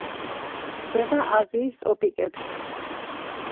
გვხვდება აზიის ტროპიკებში.